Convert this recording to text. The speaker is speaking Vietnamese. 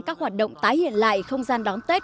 các hoạt động tái hiện lại không gian đón tết